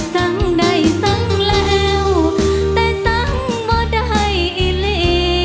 สังใดสังแล้วแต่สังบ่ได้อิเล